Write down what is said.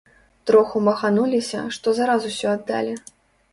Троху махануліся, што за раз усё аддалі.